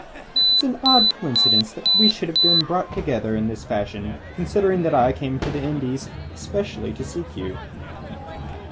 "It's an odd coincidence that we should have been brought together in this fashion, considering that I came out to the Indies especially to seek you."